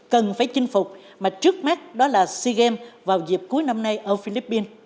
cần phải chinh phục mà trước mắt đó là sea games vào dịp cuối năm nay ở philippines